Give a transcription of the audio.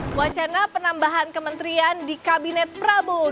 bagaimana menurut anda kementerian di kabinet prabowo gibra